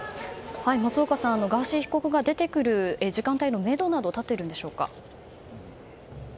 松岡さんガーシー被告が出てくる時間帯のめどなどは立っているんでしょうか。